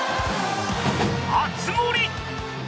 熱盛！